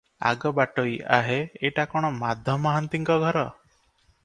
ଆଗ ବାଟୋଇ- ଆହେ! ଏଇଟା କଣ ମାଧ ମହାନ୍ତିଙ୍କ ଘର?